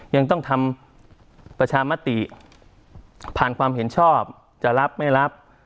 ยังต้องทำประชามติผ่านความเห็นชอบจะรับไม่รับ